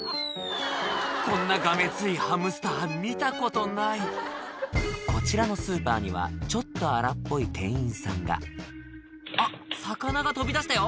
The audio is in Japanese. こんながめついハムスター見たことないこちらのスーパーにはちょっと荒っぽい店員さんがあっ魚が飛び出したよ